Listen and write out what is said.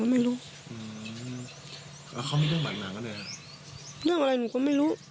หนูก็ไม่รู้เรื่องอะไรหนูก็ไม่รู้